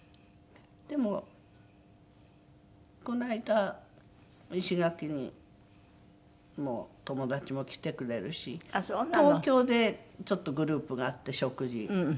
でもこの間石垣にも友達も来てくれるし東京でちょっとグループがあって食事。